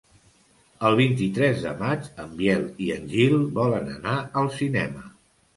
El vint-i-tres de maig en Biel i en Gil volen anar al cinema.